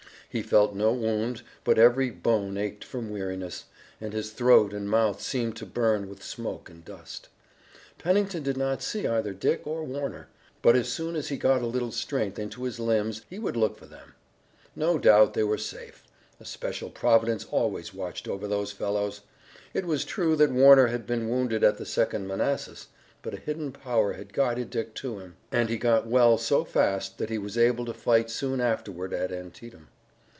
He felt no wound, but every bone ached from weariness, and his throat and mouth seemed to burn with smoke and dust. Pennington did not see either Dick or Warner, but as soon as he got a little strength into his limbs he would look for them. No doubt they were safe. A special providence always watched over those fellows. It was true that Warner had been wounded at the Second Manassas, but a hidden power had guided Dick to him, and he got well so fast that he was able to fight soon afterward at Antietam.